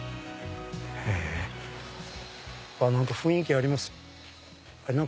何か雰囲気ありますよ。